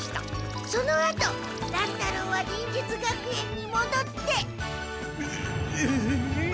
そのあと乱太郎は忍術学園にもどってうう。